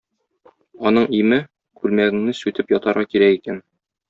Аның име: күлмәгеңне сүтеп ятарга кирәк икән.